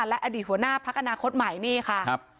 และอดีตหัวหน้าพักอนาคตใหม่นี่ค่ะ